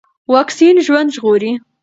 واکسين ژوند ژغوري.